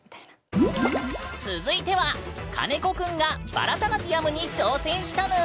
続いては金子くんがバラタナティヤムに挑戦したぬん！